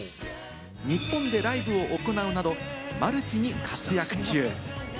日本でライブを行うなどマルチに活躍中。